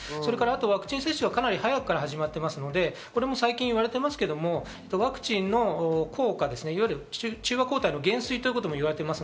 ワクチン接種がかなり早くから始まってるので、これも最近言われていますが、ワクチンの効果ですね、中和抗体の減衰も言われています。